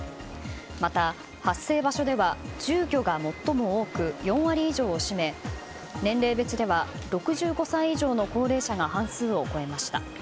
また発生場所では住居が最も多く４割以上を占め年齢別では６５歳以上の高齢者が半数を超えました。